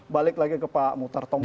balik lagi ke pak mutartompo tadi